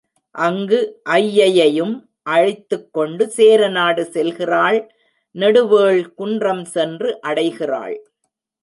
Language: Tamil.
அங்கு ஐயையையும் அழைத்துக்கொண்டு சேரநாடு செல்கிறாள் நெடுவேள் குன்றம் சென்று அடைகிறாள்.